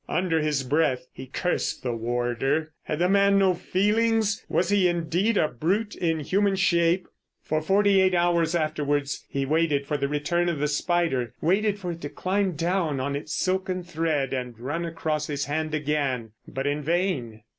Under his breath he cursed the warder. Had the man no feelings; was he indeed a brute in human shape! For forty eight hours afterwards he waited for the return of the spider, waited for it to climb down on its silken thread and run across his hand again: but in vain.